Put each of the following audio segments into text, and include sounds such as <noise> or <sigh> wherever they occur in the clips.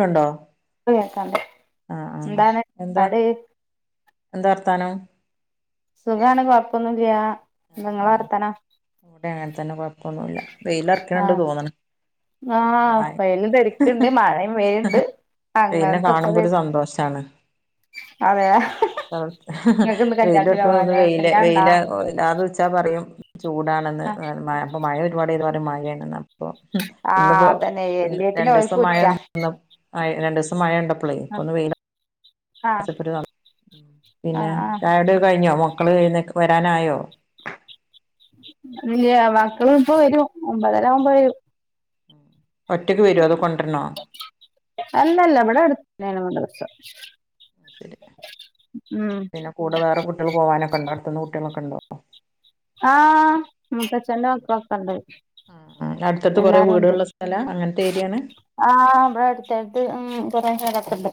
കണ്ടോ ഇപ്പം കേക്കാണ്ട് എന്താണ് പാട് ന്താ വർത്താനം സുഖാണ് കൊഴപ്പൊന്നുല്യ ന്താ ങ്ങള വർത്താനം വടെ അങ്ങന് തന്നെ കൊഴപ്പൊന്നുല്യ വെയിലൊറക്കണണ്ട് ആഹ് തോന്ന്ണ് ആഹ് വെയിലുതെരക്കണ്ട് മഴയും പെയ്യ്ണ്ട് പിന്നെ കാണുമ്പോ ഒരു സന്തോഷാണ് അതെ നിങ്ങക്കിന്ന് കല്ലിയാണത്തിനു വെയിലറക്കുമ്പോ ഒന്ന് പോകാലേ വെയില് കല്യാണണ്ടാ വെയില അത് ഉച്ചാ പറയും ചൂടാണെന്ന് ആഹ് മഴ അപ്പോ മഴ <unintelligible> മഴയാണെന്ന് പ്പോ ആഹ് ഇന്നിപ്പോ അതന്നെ ഇന്ന് എല്ലേത്തിനും ഓൽക്ക് രണ്ടിവസം മഴ കുറ്റാ ആന്നപ്പോ രണ്ടിസം മഴ ഉണ്ട ആഹ് ആഹ് <unintelligible> പിന്നെ ആഹ് ആഹ് ചായ കുടിയൊക്കെ കഴിഞ്ഞോ? മക്കൾ <unintelligible> വരാനായോ ഇല്ല മക്കള് ഇപ്പ വരും ഒമ്പതര ആവുമ്പോ വരും ഒറ്റയ്ക്ക് വരോ അതോ കൊണ്ടര് ണോ അല്ലല്ല ഇവിടെ അടുത്ത് തന്നെ മദ്രസ ഉം പിന്നെ കൂടെ വേറെ കുട്ടികൾ പോവാനൊക്കെ ഉണ്ടോ അടുത്തന്ന് കുട്ടികളൊക്കെ ഉണ്ടോ ആഹ മൂത്തച്ചൻ്റെ മക്കളൊക്കെയുണ്ട് ആ അടുത്തടുത്ത് കൊറെ വീടുള്ള സ്ഥലാ. അങ്ങനത്തെ ഏരിയാണ് ആഹ ഇവിടടുത്തടുത്ത് കുറേ ഉം പേരൊക്കെയുണ്ട്.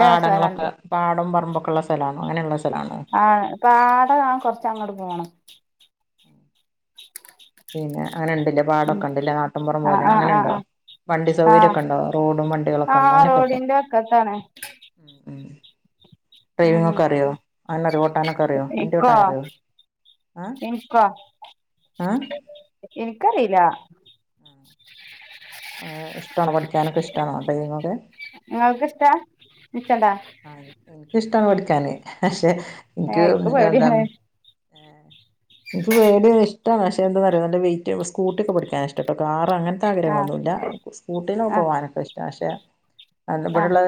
പാടങ്ങളൊക്കെ. പാടം പറമ്പൊക്കെയുള്ള സ്ഥലാണോ അങ്ങനെയുള്ള സ്ഥലണോ. ആ. പാടം കൊറച്ച് അങ്ങോട്ട് പോണം പിന്നെ അങ്ങനെ ഉണ്ട്ല്ലേ. ഉം പാടൊക്കെ ഉണ്ട്ല്ലേ. നാട്ടിൻപുറം ആഹ് പോല ആഹ് അങ്ങനെ ഉണ്ടോ? ആഹ് വണ്ടി ആഹ് ആഹ് സൗകര്യക്കെ ഉണ്ടോ? റോഡും വണ്ടികളൊക്കെ ഉണ്ടോ അങ്ങനെക്കണ്ടോ? ഒക്ക അടുത്താണ് ഡ്രൈവിംഗ് ഉം ഒക്കെ അറിയോ അങ്ങനെ ഓട്ടാനൊക്കെ അറിയോ? വണ്ടി ഇക്കോ ഓട്ടാനൊക്കെ അറിയോ? അ ആഹ് എനിക്കറീല്ല ഇഷ്ടാണോ. പഠിക്കാനൊക്കെ ഇഷ്ടാണോ ഡ്രൈവിംങ്ങൊക്കെ നിങ്ങൾക്ക് ഇഷ്ടാ നിച്ചണ്ടാ ആ എനിക്കിഷ്ടാ പഠിക്കാന്. പക്ഷെ ഏഹ് ഇനിക്ക് എനിക്ക് ന്താ പേടിയാണ് എനിക്ക് പേടിയ ഇഷ്ടാണ് പക്ഷെ എന്താ പറയാ നല്ല വെയ്റ്റ്. സ്കൂട്ടി ഒക്കെ പഠിക്കാനൻഷ്ടട്ടോ കാർ അങ്ങനെ ആഹ് ത്താഗ്രഹങ്ങളൊന്നുല്ല. സ്കൂട്ടീ ലൊക്കെ ആഹ് പോകാനൊക്കെ ഇഷ്ടാ. പക്ഷേ ഇവിടള്ള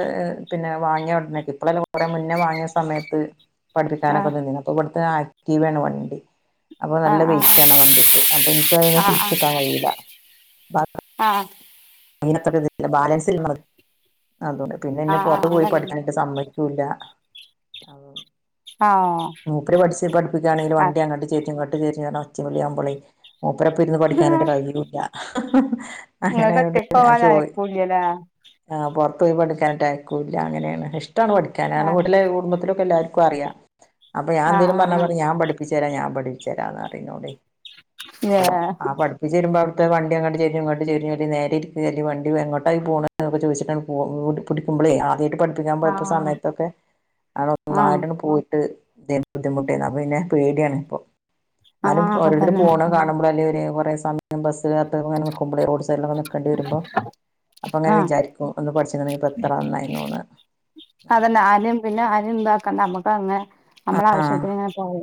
പിന്നെ വാങ്ങിയ ഉടനൊക്കെ. ഇപ്പളല്ല കുറെ മുന്നേ വാങ്ങിയ സമയത്ത് പഠിപ്പിക്കാനൊക്കെ ആഹ് നിന്നീന്നു. ഇപ്പ ഇവട്ത്തെ ആക്റ്റീവേണ് വണ്ടി. അപ്പം നല്ല ആഹ് ആഹ് വെയിറ്റാണാ വണ്ടിക്ക്. അപ്പൊ ഇൻക്കതിങ്ങനെ ആഹ് പിടിച്ച്ക്കാൻ കയ്യൂല്ല. ആഹ് അത്ര ഇല്ല. ബാലൻസ് ഇല്ല അതുകൊണ്ട് പിന്നെ എന്നെ പുറത്ത് ആഹ് പോയി അതന്നെ പഠിക്കാനായിട്ട് സമ്മ ക്കൂല്ല. അപ്പം ആഹ് മൂപ്പര് പഠിച്ച് പഠിപ്പിക്കാണെങ്കിൽ അത് വണ്ടി അങ്ങട്ട് ചെരിഞ്ഞു ഇങ്ങട്ട് ചെരിഞ്ഞു പർഞ് ഒച്ചിം വിളിം ആകുമ്പളേ മൂപ്പരൊപ്പം ഇരുന്ന് പഠിക്കാനെറ്റെ കയ്യ്ണൂല്ല. ഇങ്ങൾതൊറ്റക്കോവാൻ അയ്ക്കൂല്ല ല്ലേ. ആഹ് പുറത്ത് പോയി പഠിക്കാനെറ്റെ അയ്ക്കൂല്ല. അങ്ങനേണ്. ഇഷ്ടാണ് പഠി കനാണ് ആഹ് വീട്ടിലെ കുടുംബത്തിലൊക്കെ എല്ലാര്ക്കു അറിയാ. അപ്പ ഞാൻ ആഹ് എന്തേലും പറഞ്ഞാ ആഹ് ആഹ് പറിം. ഞാൻ പഠി പ്പിച്ചരാ ഞാൻ പഠിപ്പിച്ചരാന്ന് പറിം ഇന്നോടേ. അപ്പൊ ഏഹ് ആ പഠി പ്പിച്ച് തരുമ്പം അവ്ടുത്തെ വണ്ടി അങ്ങട്ട് ചെരിഞ്ഞു ഇങ്ങട്ട് ചെരിഞ്ഞു അല്ലെങ്കി നേരെ ഇര് ക്ക് അല്ലെങ്കി വണ്ടി എങ്ങോട്ടായി പോണത് ന്നൊക്കെ ചോയിച്ചിട്ട് ആണ്ട് പോ പു പുടിക്കുമ്പളേ ആദ്യായിട്ട് പഠ് പ്പിക്കാൻ പോയപ്പ ആഹ് സമയത്തൊക്കെ ആഹ് ആണ്ടൊന്നായിട്ടാണ്ട് പോയിട്ട് ഇതേന്നു. ബുദ്ധിമുട്ടേന്നു. അപ്പ പിന്നെ പേടിയാണ് ഇപ്പം. ഇന്നാലും ആഹ് ഓരോരുത്തര് അതന്നെ പോണ കാണുമ്പളോ അല്ലെ ഒര് കൊറേ സമ യം ബസ് കാത്ത് ഇങ്ങനെ നിക്കുമ്പളെ റോഡ് സൈഡിലൊക്കെ നി വരുമ്പം. അപ്പൊ ഇങ്ങനെ ആഹ് വിചാരിക്കും ഒന്ന് പഠിച്ച്ക്ണെങ്കി ഇപ്പ എത്ര നന്നായിന്നൂന്ന്. അതന്നെ ആരിം പിന്നെ ആരിം ഇതാക്കണ്ട. നമ്മുക്ക് അങ്ങനെ ആ നമ്മളാവശ്യത്തിന് ഇങ്ങനെ പോവേ.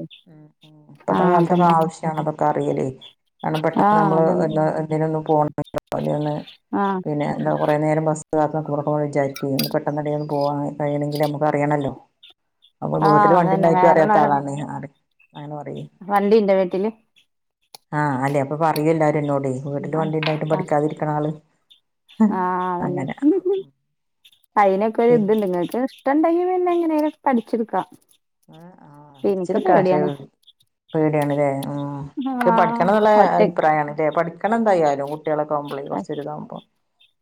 ആഹ് അതന്നെ. ഞങ്ങൾതൊക്കെ അറീല്ലേ കാരണം പെട്ടെന്ന് ആഹ് നമ്മള് അതന്നെ എന്താ എന്തേലൊന്നും പോണം <unintelligible> ആഹ് പിന്നെ എന്താ കൊറെ നേരം ബസ്സിന് കാത്ത്ക്കുമ്പളൊക്കെ വിചാരിക്ക്‌വേ. ഇന്ന് പെട്ടെന്നേണ്ടെ ഒന്ന് പോവാൻ കയ്യണെങ്കിൽ നമുക്ക് അറിയണല്ലോ. ആഹ് അതന്നെ വേറൊള്ളോലെ ണ് ആഹ് റിം അങ്ങനെ പറിം. വണ്ടിണ്ടാ വീട്ടില്? ആഹ് അല്ലെ അപ്പൊ പറയും എല്ലാരു ഇന്നോടേ വീട്ടില് ആഹ് വണ്ടി ഇണ്ടായിട്ടും ആഹ് പഠിക്കാതിരിക്ണ ആള്. ആഹ് അങ്ങനെ അയ്നൊക്കെ ഒരിത്ണ്ട്. പിന്നെ ഇങ്ങക്ക് ഇഷ്ടംണ്ടെങ്കി പിന്നെ എങ്ങനേലൊക്കെ പഠിച്ച് ട്ക്കാ. ഏഹ്? ആഹ് പഠിച്ചിട്ക്കാ. പഷേ പേടിയാണ് ലേ. ആഹ്. പക്ഷെ ആഹ് പഠിക്കണം എന്നുള്ള ഒറ്റക്ക് അഭിപ്രായാണ് ലേ. പഠി ക്കണം എന്തായാലും. കുട്ടിയേളൊക്കെ ആവുമ്പളേ കുറച്ചൊരിതാവുമ്പം.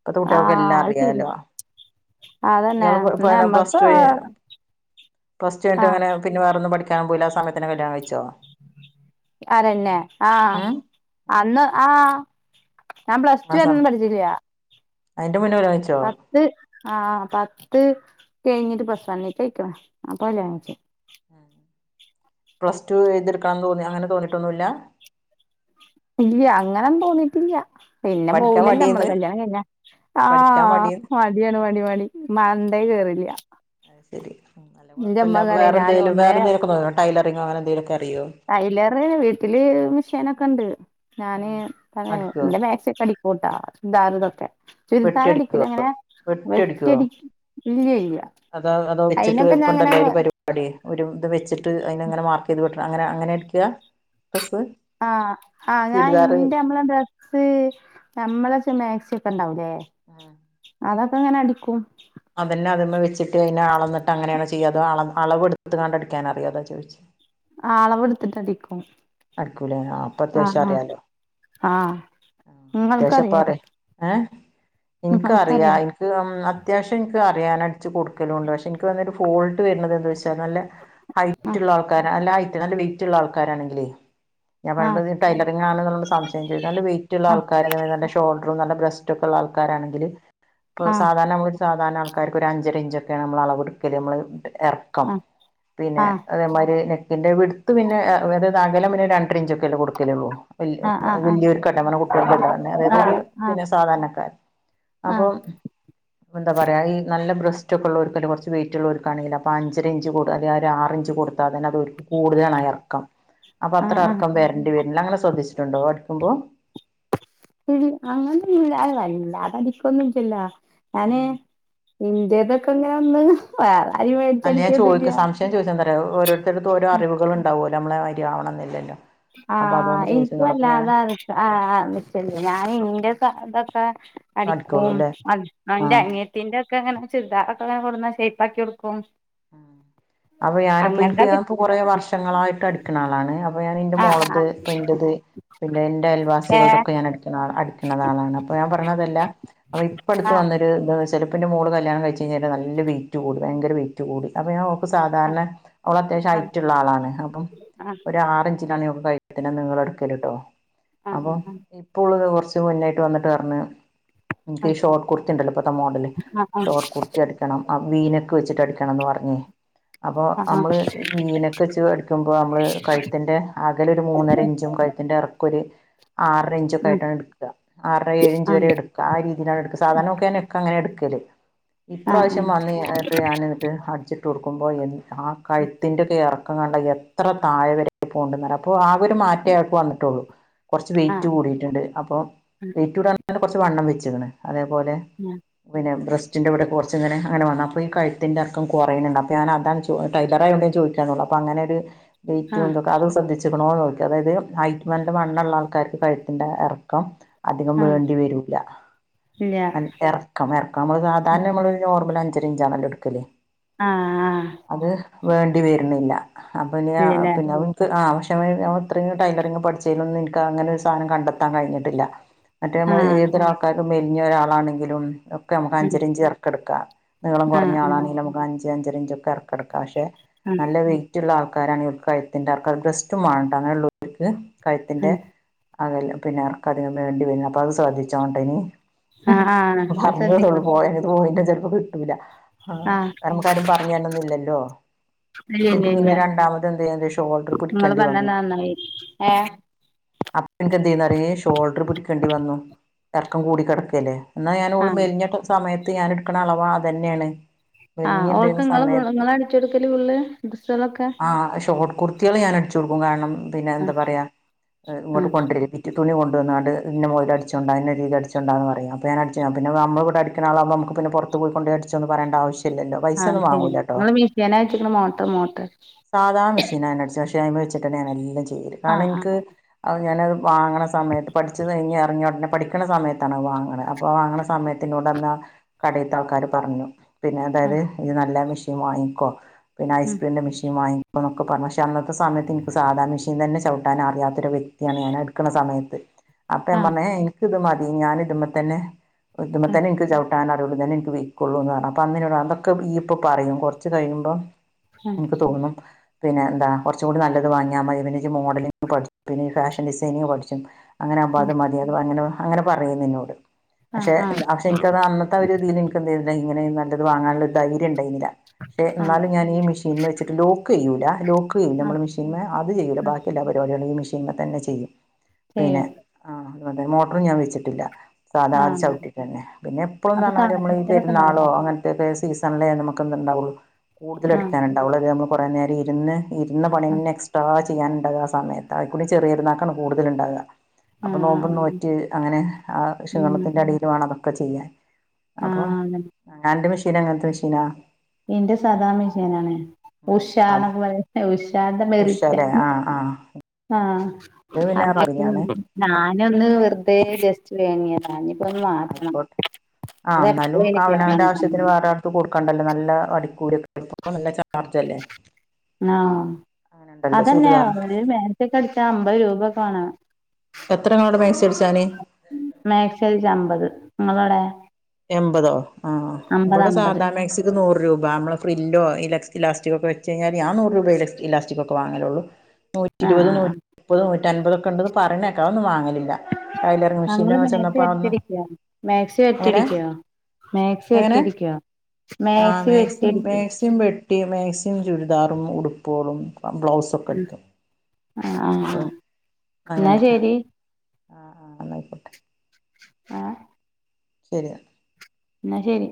ഇപ്പത്തെ കുട്ടിയേൾക്കൊക്കെ ആഹ് എല്ലാ അത് ശരിയാ അറിയാലോ. അതന്നെ ഇയാള് പ് ന്നാ പയ്ന് നമ്മക്ക് പ്ലസ് ടു കയ് ച്ച് ങ്ങട്ട് ആഹ് എങ്ങനെ പിന്നെ വേറൊന്നും പഠിക്കാനൊന്നും പോയില്ലാ ആ സമയത്തന്നെ കല്യാണം കയിച്ചോ? ആരെന്നെ? ആഹ് ഉം അന്ന് ആഹ് ഞാൻ പ്ലസ് ടു വരെ ഒന്നും പഠിച്ചിട്ടില്ല്യാ. അയിന്റെ മുന്ന് കല്യാണം കയ്ച് പത്ത് ആഹ് പത്ത് കഴിഞ്ഞിട്ട് പ്ലസ് വണ്ണ് ക്ക് ആയിക്ക്ണ്. അപ്പളാ കല്യാണം കഴിച്ചെ. പ്ലസ് ടു എയ്തിട്ക്കാൻ തോന്നി, അങ്ങനെ തോന്നിട്ടൊന്നുല്ലാ? ഇല്ല്യ. അങ്ങനൊന്നും തോന്നിട്ടില്ല. പിന്നെ പഠിക്കാൻ പോവൂലല്ലോ നമ്മള് മടിയേന്ന് കല്യാണം കഴിഞ്ഞാ പഠിക്കാൻ ആഹ്. മടിയേന്ന് മ ട്‌യാണ് മടി മടി. മണ്ടേ കേറില്ല്യാ. അത് ശരി. ഉം അല്ല കുഴപ്പല്ല. അപ്പം പറയും ഞാൻ വേറെന്തേലും ഒന്നേ വേറെന്തേലും ഒക്കെ നോ ടൈലറിങ്ങോ അങ്ങനെ എന്തേലൊക്കെ അറിയോ? ടൈലറ് വീട്ടില് മിഷീനൊക്കെ ണ്ട്. ഞാന് <unintelligible> അടിക്കോ ഇന്റെ മേക്സിയൊക്കെ അടി ക്കുട്ടാ. ചുരിദാറ് ഇതൊക്കെ. ചുരിദാർ വെട്ടിയടിക്കോ അടിക്കൂല. ഇങ്ങനെ വെട്ടിയടിക്കുവോ വെട്ടിയടി അതോ അതോ വെച്ചിട്ട് ഞാൻ ഇങ്ങനെ വൽപ്പണ്ടല്ലോ ഒര് പരി പാടി. ഒരു ഇത് വെച്ചിട്ട് അതിനങ്ങനെ മാർക്ക് ചെയ്ത് വെട്ട്ണെ അങ്ങനെ അങ്ങനെ അടിക്കാ ഡ്രസ്സ് ആഹ് ആഹ്. ഞാൻ ചുരിദാറ് ഇന്റെ നമ്മളെ ഡ്രസ്സ് നമ്മളെ മാക്സി ഒക്കെണ്ടാവൂലേ അതൊക്കെ ഇങ്ങനെ അടിക്കും. അതന്നെ അത് മ്മെ വെച്ചിട്ട് പിന്നെ അളന്നിട്ട് അങ്ങനെ ആണോ ചെയ്യ അതോ അള അളവ് ട്ത്ത്ങ്ങാണ്ട് അടിക്കാൻ അറിയൊ അതാ ചോയി ആ അളവ്ടുത്തിട്ട്ടിക്കും അടിക്കൂലേ അപ്പൊ ആ അത്യാവശ്യം ആ അറിയാലോ ആഹ് ഇങ്ങൾക് അറിയോ ഏ എനിക്കറിയാം എനിക്ക് അത്യാവശ്യം എനിക്ക് അറിയാന അടിച്ച് കൊടുക്കലുണ്ട് പക്ഷേ എനിക്ക് വന്നൊരു ഫോൾട്ട് വരുന്നത് എന്താ വെച്ചാൽ നല്ല ആഹ് ഹൈറ്റ്ള്ള ആൾക്കാര അല്ല ഹൈറ്റ് നല്ല വെയിറ്റ് ഉള്ള ആൾക്കാരാണെങ്കിലേ ഞാൻ പറയുമ്പോ ആഹ് ടലറിങ്ങ ആണന്നുള്ള സംശം ചെയ്തു നല്ല വെയിറ്റുള്ള ആഹ് ആൾക്കാര നല്ല ഷോൾഡറും നല്ല ബ്രെസ്റ്റ് ഒക്കെ ഉള്ള ആൾക്കാരാണെങ്കിൽ ആഹ് സാധാരണ സാധാരണ ആൾകാർക്ക് ഒരു അഞ്ചര ഇഞ്ചൊക്കെയാണ് നമ്മൾ അളവ്ടുക്കൽ നമ്മൾ ഇറക ഇറക്കം പിന്നെ ആഹ് അതേമാതിരി നെക്കിന്റെ വി വിട്ത് പിന്നെഏ അതായത് അകലം പിന്നെ രണ്ടര ഇഞ്ചൊക്കെല്ല കൊടുക്കല്ലോളൂ ആഹ് ആഹ് ആഹ് വെല്ലിയോർ കാട്ടോ കുട്ടികള തല്ലെ പറഞ്ഞ അതായത് ആഹ് ഒരു ആഹ് സാധാരണക്കാർ ആഹ് അപ്പം എന്താ പറയാ ഈ നല്ല ബ്രസ്റ്റ് ഒക്കെ ഉള്ളർക്ക്ല്ല കുറച്ച് വെയിറ്റ് ഉള്ളർക്കാണെങ്കിൽ അഞ്ചരഞ്ച് അല്ല ഒരു ആറിഞ്ച് കൊടു ഇപ്പോ തന്നെ അത് കൂടുതലാണ് ഇറക്കം അപ്പൊ അത്ര ആഹ് ആഹ് ഇറക്കം വരേണ്ടി വരുന്ന അങ്ങനെ ശ്രദ്ധിച്ചിട്ടുണ്ടോ അ ടിക്കുമ്പോ ശരി അങ്ങനൊന്നല്ല അത് വല്ലാതെ അടിക്കൊന്നുമില്ലാലോ ഇ ഉം ൻ്റെ തൊക്കെ ഇങ്ങനെ ഒന്ന് വേറെ ആരും അല്ല ഞാൻ മേടിച്ചടിക്കൊന്നുല്ല ചൊയ്ക സശ ഞാൻ ചോദിച്ചത് അറിയോ ഓരോരുത്തറ്കും ഓരോ അറിവുകൾണ്ടാവുമോ നമ്മളെമാ തിരിയാവണം എന്നില്ലല്ലോ അപ്പൊ ആഹ അതുകൊണ്ട് എനിക്ക് ചോദിച്ചെന്നുള്ളൂ അപ്പൊ ഞാൻ വല്ലാതെ നിച്ചലിയ ഞാൻ ഇന്റെ ഇതൊക്കെ അടിക്കുള്ളൂ അടിക്കും അല്ലേ ഹസ്ബൻ്റ് ൻ്റെ അനിയത്തി ത്തിന്റെ ഒക്കെ അങ്ങനെ ചുരിദാർ ഒക്കെ കൊടുന്ന ഷയ് പ്പാക്കി കൊടുക്കും അപ്പൊ ഞാനിപ്പോ എനിക്ക് ഞ അങ്ങനത്തൊക്കെ കൊറേ വർഷങ്ങളായിട്ട് അടിക്കണ ആളാണ് ഞാൻ എന്റെ ആഹ് ആഹ് മോളത് ഇപ്പയിന്റത് പിന്നെ എന്റെ ഏ അയൽവാസികൾക്കൊക്കെ ഞാൻ അടിക്കുന്ന ആളാണ് അപ്പൊ ഞാൻ പറഞ്ഞതെല്ല അപ്പൊ ഇപ്പടുത്ത് ആ ആ വന്നൊരു ദ് ന്നുവെച്ചാൽ മോള് കല്യാണം കഴിച്ചച്ച് കഴിഞ്ഞാല് നല്ല വെയിറ്റ് കൂടി ഭയങ്കര വെയിറ്റ് കൂടി അപ്പൊ ഞ ഓള്ക്ക് സാധാരണ അവൾ അത്യാവശ്യം ആ ഐറ്റുള്ള ആളാണ് അപ്പം ആ ഒരു ആർഞ്ചിലാണ് ഓള്ക്ക് തയ് ത്തിന നിളെടുകൽ ട്ടോ ആ ആ ആ അപ്പൊ ഇപ്പോ ഓൾ കുറച്ച് മുന്നായിട്ട് വന്നിട്ട് പറഞ്ഞൂ, ആ ആ ആ ഇനക് ഇ ഷോർട്ട് കുർത്തി ഉണ്ടല്ലോ ഇപ്പത്തെ മോഡല് ഷോർട്ട് കുർത്തി അടിക്കണം ആ വീനൊക്കെ വെച്ചിട്ട് അടിക്ക ണം പറഞ്ഞു അപ്പൊ ആ നമ്മള് വീ നെക്ക് വെച്ച്ടിക്കുമ്പോൾ നമ്മള് കഴുത്തിന്റെ അകലൊ ഒരു മൂന്നര ഇഞ്ചും കഴുത്തിന്റെ ഇറക്കൊരു ആറര ഇഞ്ചൊക്കെ ആയിട്ടാണ് എടുക്ക. ആറര ഏഴിഞ്ച് വരെ എടുക്കും. ആ രീതിയിലാണ് എടുക്ക സാധാരണമൊക്കെ അങ്ങനെ എടുക്കല് ആ ഇപ്രാവശ്യം വന്നട്ട് ഞാൻ അടിച്ചിട്ട് കൊടുക്കുമ്പോൾ ആ കഴുത്തിൻന്റെയെക്കെ ഇറക്കംകണ്ട എത്ര എത്ര താഴെ വരെ പോകണ്ടന്ന അപ്പൊ ആകെ ഒരു മാറ്റേ വന്നിട്ടുള്ളൂ. കുറച്ച് വെയിറ്റ് കൂടിയിട്ടുണ്ട് അപ്പം വെയിറ്റ് കൂടാ കുറച്ച് വണ്ണം വെച്ച്ക്ണ് അതേപോലെ <inaudible> പിന്നെ ബ്രസ്റ്റിന്റെവിടെ കുറച്ച് ഇങ്ങനെ അങ്ങനെന്ന അപ്പോ ഈ കയുത്ത് തിന്റെർക്കം കുറയുന്നുണ്ട് അപ്പൊ ഞാന അതാണ് ടൈലായോണ്ടേ ചോ യിക്കാ അപ്പെ അങ്ങനെ ഒരു ആ ആ അത് ശ്രദ്ധിച്ചിക്ക്ണോ നോക്ക അതായത് ഹൈറ്റ്മാന്റെ വണ്ണള്ള ആൾക്കാർക്ക് കഴുത്തിന്റെ ഇറക്കം അധികം ആ വേണ്ടി വരില്ല ഇല്ല ഇറക്കം ഇറക്ക നമ്മൾ സാധാരണ നമ്മള്, നോർമൽ അഞ്ചര ഇഞ്ചാണല്ലോ എടുക്കലേ. ആഹ. അത് വേണ്ടി വരുണില്ല അപ്പൊ ഇല്ലല്ലേ പിന്നെ അ ആ പക്ഷെ ഞൻ ഇത്രയും ടൈലറിംഗ് പഠിച്ചതിലൊന്നും എനക്ക് അങ്ങനെരു സാധനം കണ്ടൊത്താൻ കഴിഞ്ഞിട്ടില്ല. മറ്റേ ആ നമ്മൾ ഏതൊരാൾക്കാരും മെലിഞ്ഞ ഒരാളാണെങ്കിലും ക്കെ നമക്ക് അഞ്ചരഞ്ച് ഇറക്കെടുക്കാം നീളം ആ ആ കുറഞ്ഞ ആളാെങ്കിൽ നമുക്ക് അഞ്ച് അഞ്ചരഞ്ചൊക്കെ ഇറക്ക ക്കാം പക്ഷെ നല്ല വെയിറ്റുള്ള ആൾക്കാരാണ് കയത്തിന്റെ ആൾക്കാർ ബ്രെസ്റ്റ്മാണെട്ടെ അങ്ങനെ ഉള്ള ക്ക് കഴുത്തിന്റെ അകൽ പിന്നെറക്കകതികം വേണ്ടി വരാ അപ്പഅത് ശ്രദ്ധിച്ചോണം ട്ടോ ഇനി. ആ ഹ് ആ അത് പറഞ്ഞള്ളൂ ശ്രദ്ധിക്കണം പോയത് പോയി ചെലപ്പോ കിട്ടൂല്ല. ആ കര്ണം നമുക്കാരും പറഞ്ഞര്നൊന്നില്ലല്ലോ. ഇല്ല ഇല്ല ക്ക് ഇല്ല പിന്നെ രണ്ടാമത് എന്തേയ്ത് ഷോൾഡർ നിങ്ങള് പിടിക്കേണ്ടി പറഞ്ഞത് വന്നു. നന്നായി ഏ അപ്പന്ക്ക് എന്തെര്ന്നറിയെ ഷോൾഡർ പിടിക്കേണ്ടി വന്നു എറക്കം കൂടി കടക്കല്ലേ. എന്നാ ഞാന ആ ഓൾ മെലഞ്ഞ സമയത്ത് ഞാൻ എടുക്ക്ണെ അളവ അത് തന്നെയാണ്. ആഹ് ഓൾക്ക് ങ്ങള് ങ്ങളാ അടിച്ചെടുക്കല് ഫുള്ള് ഡ്രസേളൊക്കെ ആ ഷോർട്ട് കുർത്തികൾ ഞാൻ അടിച്ചു കൊടുക്കും കാരണം പിന്നെ ആ എന്താ പറയാ ആ ഇങ്ങോട്ട് കൊണ്ടിരി തുണി കൊണ്ടന്ന്ങ്ങണ്ട് ഇതിന്റെ മോളിൽ അടിചോണ്ട അയിന്റെ അടിയിൽ അടിചോണ്ടന്ന പറയും അപ്പ ഞാനടിച്ചു ഞപിന്നെ നമ്മള് ഇവിടെണ അടിക്കണആള്ളവുമ്പോ നമക്ക് പിന്നെ പുറത്ത് ത്ത് പോയി കൊണ്ട്ടിച്ചൊ പരയെണ്ട ആവ്ശ്യല്യല്ലോ. ആഹ ശരി ഇങ്ങള് മീഷേന വെച്ചക്ണ മോട്ടർ മോട്ടർ സാധാ മഷീനാ ഞാനാടിച്ച പക്ഷെ അയിമെ വച്ചിട്ടന്നാ ഞാൻ എല്ലാം ചെയ്യൽ ആ കാരണം ആ എനിക്ക് അ ഞാനത് വാങ്ങണ സമയത്ത് പഠിച്ച്കഴിഞ്ഞ്റങ്ങിഉടനെ പഠിക്കണ സമയത്താണ് അ വാങ്ങണെഅപ്പോ അപ്പോൾ വാങ്ങണ സമയത്തെനോട് അന്ന് കടയിത്തെ ആൾക്കാർ പറഞ്ഞു പിന്നെ ആ അതായത് ഇത് നല്ല മെഷീൻ വാങ്ങിക്കോ പിന്നെ ഉം ഐസ്പ്ലിൻന്റെ മെഷീൻ വാങ്ങി അപ്പന്നൊക്കെ പറഞ്ഞു പക്ഷെ അന്നത്തെ സമയത്ത് എനിക്ക് സാധാ മെഷീൻ തന്നെ ചവിട്ടാൻ അറിയാത്തൊ വ്യക്തിയാണ് ഞാൻ അ എടുക്കണെസമയത്ത് അപ്പ ഞാൻ ആ പറഞ്ഞു എ ഇൻക്ക് ഇത് മതി ഞാൻ ഇതുമതന്നെ ആ ഇത്മതന്നെ എനിക്ക് ചവിട്ട ട്ടനറിയുള്ളു ഇതെന്നെൻക്ക് വെയ്ക്കുള്ളൂ എന്നർഞ്ഞു അപ്പ അന്ന് ഇന്നോടാറഞ്ഞു അതൊക്കെ ഈയിപ്പൊ പറയും കുറച്ച് കഴിയ്പോ ആ അൻക്ക് തോന്നും പിന്നെ എന്താ കുറച്ചകൂടി നല്ലത് വാങ്ങിയാമതി പിന്നെ ജ് മോഡലിംഗ് പഠിച്ചു പിന്നെ ഈ ഫാഷൻ ഡിസനിങ് പഠിച്ചു അങ്ങനെ അമ്പോ അത് മതിയെര്ന്ന്‌ അങ്ങനെ അങ്ങനെ പറയെര്ന്ന് എന്നോട് ആ പക്ഷെ ആ എന്താ പക്ഷെ എനിക്കത് അന്നത്തെ ഒരു രീതിയിൽ <unintelligible> ഇങ്ങനെ നല്ലത് വാങ്ങാനുള്ളധൈര്യ ണ്ടായിരിന്നില്ല പക്ഷെ ആ എന്നാലും ഞാനീ മിഷി ഷിന്മേ വെച്ചിട്ട് ലോക്ക് ചെയൂല ലോക്ക് ചെയ്യൂല ആ നമ്മളെ മെഷീന്മെ അത് ചെയ്യൂല ആ ബാക്കി എല്ലാപരിവാടിയു ഇതിമേ തന്നെ ചെയും പിന്നെ ചെയ്യും അ <unintelligible> മോട്ടറും ഞൻ വെച്ചിട്ടില്ല സാധാ ആ ചവിട്ടിട്തന്നെ പിന്നെ അപ്പൊ എപ്പോഴന്ന്പറഞ്ഞാൽ നമ്മൾ ഈ കാലൊക്കെ ഉണ്ടാവോ പെരുന്നാളോ അങ്ങനെ ഇപ്പേ ഈ സീസണിലേ നമുക്കെതു ഉണ്ടാവുള്ളൂ കൂടുതൽ ആ അടിക്കാൻ ഉണ്ടാവുള്ളൂ അത് നമ്മൾ കുറേ നേരം ഇരുന്ന് ഇരുന്ന ആ പണിന്നെ എക്സ്ട്രാ ചെയ്യാനുണ്ടാവ ആ സമയത്ത് അഴിക്കൂടി ചെറിയപെരുന്നാക്കാണ് കൂടുതലുണ്ടാവ. ആ അപ്പോ നോമ്പനോറ്റ് അങ്ങനെ ആ ഉം ക്ഷീണത്തിന്റെ അടിൽ വേണം അതൊക്കെ ചെയ്യാൻ ആ അപ്പോ അതന്നെ. അന്റെ മിഷീനിയെങ്ങനത്തെ മിഷീനാ? ഇന്റെ സാധാണ മഷയനാണ് ഉഷാന്നൊക്കെ പറയ്ന്നേ ഉഷാ ഉഷല്ലേ ആഹ് ആഹ ആഹ അതക്കെ ഞാനൊന്ന് വെറുതെ ജസ്റ്റ് വേങ്ങിയതാണ് ആഹ് ആയിക്കോട്ടെ ആ എപ്പളും എന്നാലും അയിന് അവനവന്റെ കേടാണ് ആവശ്യത്തിന് സംഭവം. വേറ തു കൊടുക്കാണ്ടല്ല നല്ല അടിക്കൂലിയൊക്കെ <unintelligible> നല്ല ചാർജ് അല്ലേ ആ അതന്നെ ചുരിദാറിന് ഒരു മേക്സിക്കെ അടിച്ച അമ്പത് രൂപ ഒക്കെ വേണ എത്ര ഇങ്ങളോടെ മാക്സി അടിച്ചന് മേക്സി അടിച്ച അമ്പത് നിങ്ങളോടെ എൺപതോ ആ ഇവിടെ അമ്പത് സാദാ മക്സി നത് നൂറ് രൂപ നമ്മള് ഫ്രില്ലോ ഇലക്സ് ഇലാസ്റ്റിക്ക്കെച്ച് കയിഞ്ഞാല് ഞ നൂറ് രൂപ ഇല ഇലാസ്റ്റിക്കൊക്കെ വാങ്ങലുള്ളു നൂറ്റി ആ ഇരുപത് ആ നൂറ്റി മുപ്പത് നൂറ്റി അൻപതൊക്കെണ്ട്ന്ന് പറയിണേക്കാ അ ഒന്നും വാങ്ങലില്ല ടൈലറിങ് ആ മെഷീന്റെ ഇങ്ങള് <unintelligible> മാക്സി ചെന്നപ്പ അവ്ട്ന്ന് അടിച്ചടിക്കോ മാക്സി വെട്ട്യടിക്യോ മാക്സി എങ്ങനെ വെട്ട്യടിക്യോ മാക്സി വെട്ട്യടിക്യോ കുട്ടി മാക്സിം ചുരിദാറും ഉടുപ്പുകളും ബ്ലൗസൊക്കെ അടുിക്കും ആ ആഹ് ആഹ് എന്നാ അങ്ങനെ ശരി ആഹ് ആഹ് എന്നായിക്കോട്ടെ ആഹ് ശരിയാ എന്ന ശരി